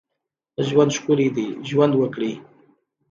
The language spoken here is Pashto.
ژوند ښکلی دی ، ژوند وکړئ